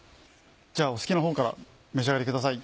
じゃあお好きなほうから召し上がりください。